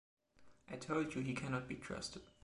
I told you he cannot be trusted.